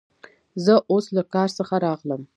زه اوس له کار څخه راغلم.